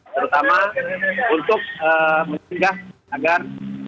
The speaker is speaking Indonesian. terutama untuk meninggalkan